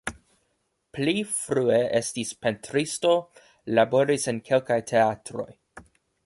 Pli frue estis pentristo, laboris en kelkaj teatroj.